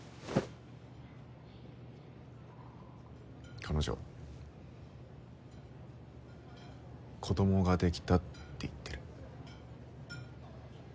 彼女子供ができたって言ってる。